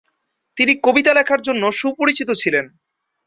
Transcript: তিনি কবিতা লেখার জন্য সুপরিচিত ছিলেন।